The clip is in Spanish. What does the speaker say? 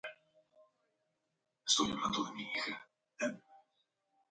Su rango cronoestratigráfico abarca el Oligoceno medio.